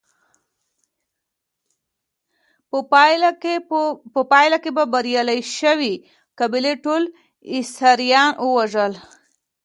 په پایله کې به بریالۍ شوې قبیلې ټول اسیران وژل.